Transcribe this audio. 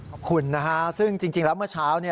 ขอบคุณนะฮะซึ่งจริงแล้วเมื่อเช้า